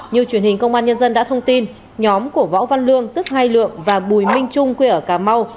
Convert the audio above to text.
như truyền hình công an nhân dân đã thông tin nhóm của võ văn lương tức hai lượng và bùi minh trung quê ở cà mau